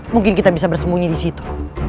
mungkin kita bisa bersembunyi disitu